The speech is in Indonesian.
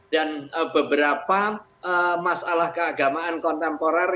dan beberapa masalah keagamaan kontemporer